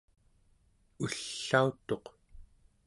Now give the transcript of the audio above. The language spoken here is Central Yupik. ullautuq